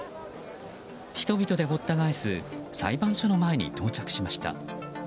人々でごった返す裁判所の前に到着しました。